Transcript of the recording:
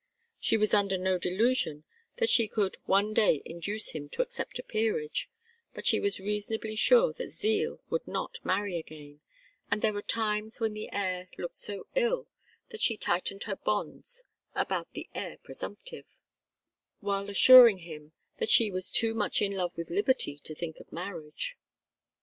She was under no delusion that she could one day induce him to accept a peerage, but she was reasonably sure that Zeal would not marry again, and there were times when the heir looked so ill that she tightened her bonds about the heir presumptive, while assuring him that she was too much in love with liberty to think of marriage.